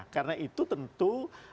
karena itu tentu